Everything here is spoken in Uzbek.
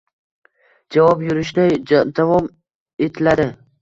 Javob: Yurishda davom etiladi.